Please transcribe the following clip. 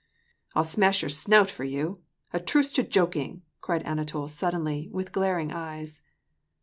" I'll smash your snout for you ! A truce to joking," cried Anatol suddenly, with glaring eyes.